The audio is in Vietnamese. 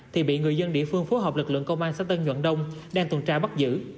thì bị người dân địa phương phối hợp lực lượng công an xã tân nhuận đông đang tuần tra bắt giữ